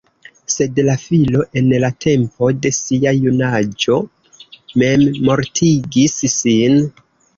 Sed la filo en la tempo de sia junaĝo memmortigis sin.